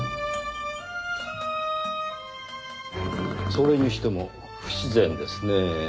それにしても不自然ですねぇ。